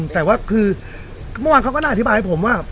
แต่ว่าคือเมื่อวานเขาก็น่าอธิบายให้ผมว่า